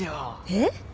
えっ！？